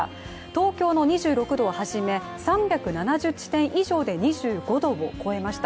東京の２６度をはじめ、３７０地点以上で２５度を超えました。